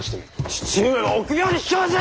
父上は臆病で卑怯じゃ！